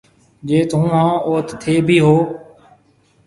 جيٿ هُون هون اوٿ ٿَي ڀِي هيَ۔